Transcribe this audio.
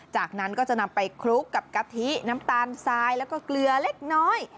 จากนั้นก็จะนำไปคลุกกับกะทิน้ำตาลทรายแล้วก็เกลือเล็กน้อย